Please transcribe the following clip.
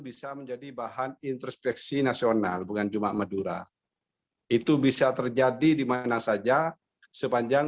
bisa menjadi bahan introspeksi nasional bukan cuma madura itu bisa terjadi dimana saja sepanjang